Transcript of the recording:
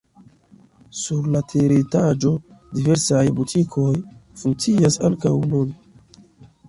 Sur la teretaĝo diversaj butikoj funkcias ankaŭ nun.